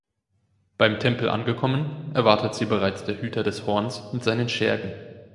Beim Tempel angekommen, erwartet sie bereits der Hüter des Horns mit seinen Schergen.